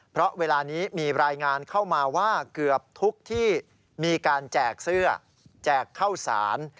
เพราะเวลานี้มีรายงานเข้ามาว่าเกือบทุกที่มีการแจกเสื้อแจกเข้าสาร